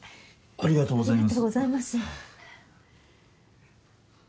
ありがとうございます。